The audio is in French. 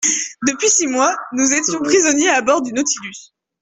Depuis six mois nous étions prisonniers à bord du Nautilus.